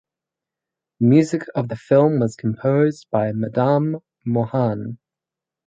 The music of the film was composed by Madan Mohan.